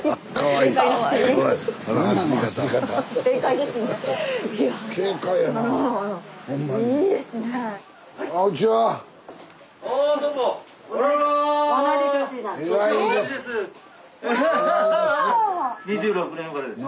いや２６年生まれです。